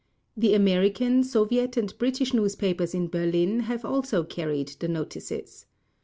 The American, Soviet and British newspapers in Berlin have also carried the notices.